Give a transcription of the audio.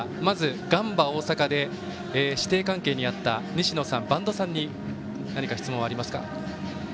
ガンバ大阪で師弟関係にあった西野さん、播戸さんに何か質問はありますか？